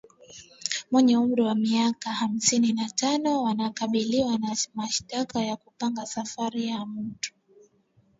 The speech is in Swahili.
mwenye umri wa miaka hamsini na tano wanakabiliwa na mashtaka ya kupanga safari ya mtu mwingine